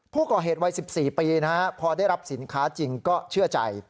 ผู้ก่อเหตุวัย๑๔ปีนะฮะพอได้รับสินค้าจริงก็เชื่อใจ